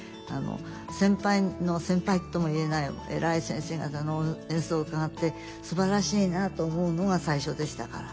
先輩の先輩とも言えない偉い先生方の演奏を伺ってすばらしいなと思うのが最初でしたから。